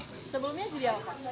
sebelumnya jadi apa